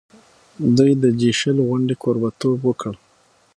دوی د جي شل غونډې کوربه توب وکړ.